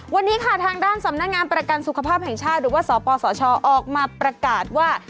วันนี้ค่ะทางด้านสำนักงานประกันสุขภาพแห่งชาติหรือว่าสปสชออกมาประกาศว่า